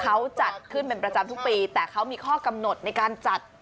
เขาจัดขึ้นเป็นประจำทุกปีแต่เขามีข้อกำหนดในการจัด